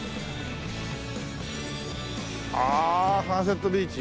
ああ「サンセットビーチ」。